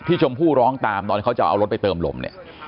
ชมพู่ร้องตามตอนเขาจะเอารถไปเติมลมเนี่ย